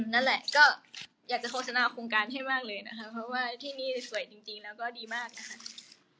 นั่นแหละก็อยากจะโฆษณาโครงการให้มากเลยนะคะเพราะว่าที่นี่สวยจริงแล้วก็ดีมากนะคะ